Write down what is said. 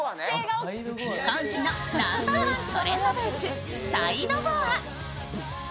今季のナンバーワントレンドブーツ、サイドゴア。